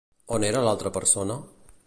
On era l'altra persona?